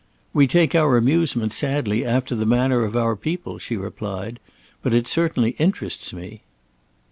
"We take our amusement sadly, after the manner of our people," she replied; "but it certainly interests me."